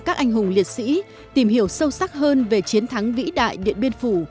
các anh hùng liệt sĩ tìm hiểu sâu sắc hơn về chiến thắng vĩ đại điện biên phủ